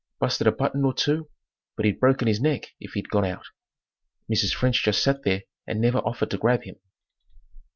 Busted a button or two but he'd broken his neck if he'd gone out. Mrs. French just sat there and never offered to grab him.